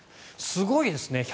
すごいですね。